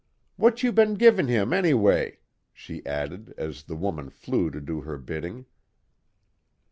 What you been givin' him, anyway?" she added, as the woman flew to do her bidding.